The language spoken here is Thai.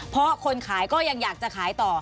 เพราะคนขายก็ยังอยากจะขายต่อ